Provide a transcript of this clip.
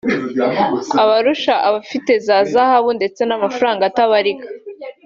aba arusha abafite za zahabu ndetse n’amafaranga atabarika